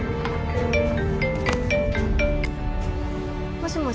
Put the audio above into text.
もしもし